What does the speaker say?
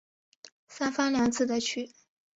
三番两次的去